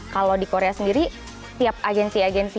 kalau di korea sendiri tiap agensi agensi